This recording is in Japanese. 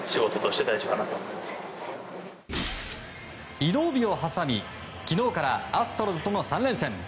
移動日を挟み昨日からアストロズとの３連戦。